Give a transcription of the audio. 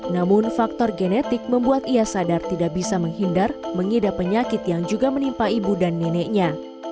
namun faktor genetik membuat ia sadar tidak bisa menghindar mengidap penyakit yang juga menimpa ibu dan neneknya